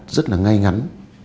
rất là ngay ngắn